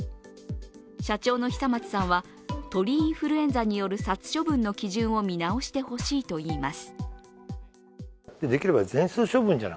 社長の久松さんは、鳥インフルエンザによる殺処分の基準を見直してほしいといいます。